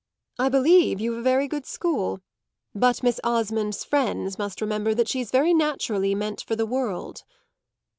"I believe you've a very good school, but Miss Osmond's friends must remember that she's very naturally meant for the world."